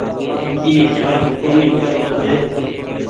اي چآرج ڪونيٚ ڪر رو ڇي۔